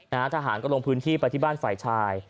ทหารก็ลงพื้นที่ไปที่บ้านฝ่ายชาย